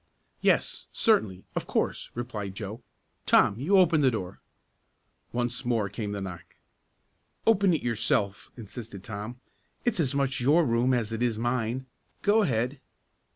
"Yes certainly of course," replied Joe. "Tom, you open the door." Once more came the knock. "Open it yourself," insisted Tom. "It's as much your room as it is mine. Go ahead."